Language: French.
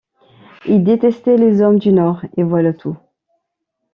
Il détestait les hommes du Nord, et voilà tout.